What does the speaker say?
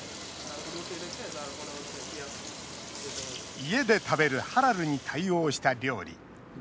家で食べるハラルに対応した料理。